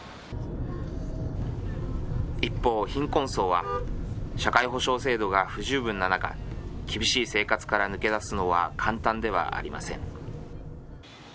一方、貧困層は社会保障制度が不十分な中、厳しい生活から抜け出すのは簡単ではありません。